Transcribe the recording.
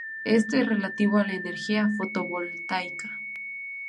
Esto es relativo a la energía fotovoltaica.